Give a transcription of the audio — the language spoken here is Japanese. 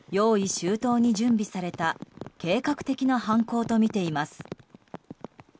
周到に準備された計画的な犯行とみています。